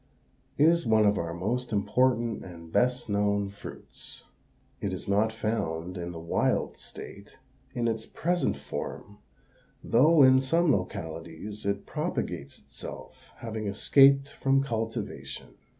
_), is one of our most important and best known fruits. It is not found in the wild state, in its present form, though in some localities it propagates itself, having escaped from cultivation.